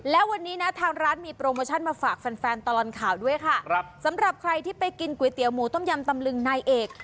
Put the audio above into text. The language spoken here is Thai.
และวันนี้นะทางร้านมีโปรโมชั่นมาฝากแฟนแฟนตลอดข่าวด้วยค่ะครับสำหรับใครที่ไปกินก๋วยเตี๋ยวหมูต้มยำตำลึงนายเอก